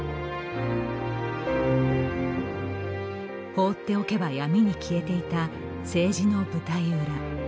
放っておけば闇に消えていた政治の舞台裏。